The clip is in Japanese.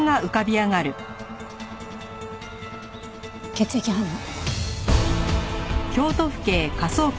血液反応。